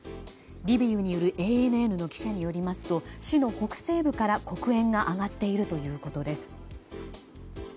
リビウにいるＡＮＮの記者によりますと市の北西部から黒煙が上がっているということです。